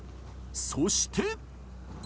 そして。